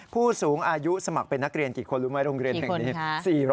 ผู้สูงอายุสมัครเป็นนักเรียนกี่คนรู้ไหมโรงเรียนแห่งนี้